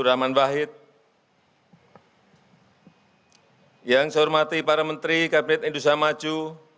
yang saya hormati para menteri kabinet indonesia maju